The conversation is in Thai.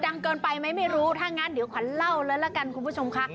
ดังเกินไปไหมไม่รู้ถ้างั้นเดี๋ยวขวัญเล่าเลยละกันคุณผู้ชมค่ะ